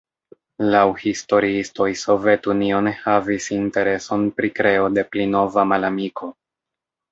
Laŭ historiistoj Sovetunio ne havis intereson pri kreo de pli nova malamiko.